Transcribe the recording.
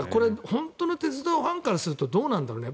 本当の鉄道ファンからするとどうなんだろうね。